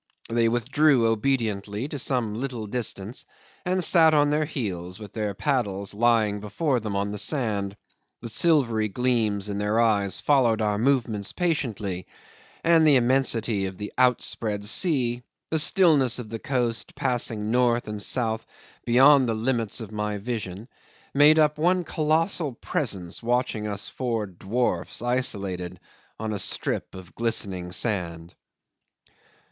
They withdrew obediently to some little distance, and sat on their heels, with their paddles lying before them on the sand; the silvery gleams in their eyes followed our movements patiently; and the immensity of the outspread sea, the stillness of the coast, passing north and south beyond the limits of my vision, made up one colossal Presence watching us four dwarfs isolated on a strip of glistening sand.